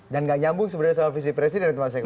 dan gak nyambung sama visi presiden itu mas eko